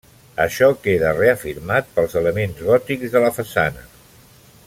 Això queda reafirmat pels elements gòtics de la façana.